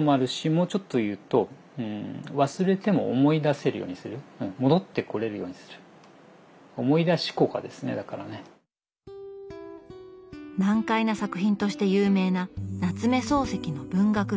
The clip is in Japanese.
もうちょっと言うと忘れても思い出せるようにする戻ってこれるようにする難解な作品として有名な夏目漱石の「文学論」。